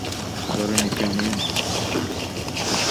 ধরে নিচ্ছি, উনি বিকৃত মনস্ক।